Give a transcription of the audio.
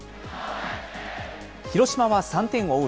広島は３点を追う